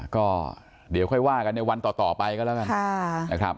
ก็เดี๋ยวค่อยว่ากันในวันต่อไปก็แล้วกันนะครับ